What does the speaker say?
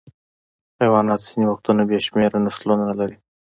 حیوانات ځینې وختونه بې شمېره نسلونه لري.